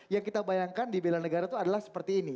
yang kita bayangkan di bela negara itu adalah seperti ini